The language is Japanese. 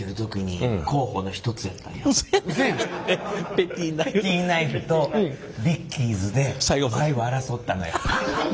ペティナイフとビッキーズで最後争ったのよ。